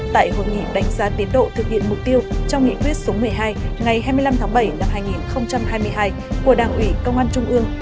tại hội nghị đánh giá tiến độ thực hiện mục tiêu trong nghị quyết số một mươi hai ngày hai mươi năm tháng bảy năm hai nghìn hai mươi hai của đảng ủy công an trung ương